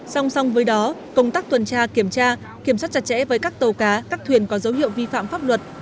song song với đó công tác tuần tra kiểm tra kiểm soát chặt chẽ với các tàu cá các thuyền có dấu hiệu vi phạm pháp luật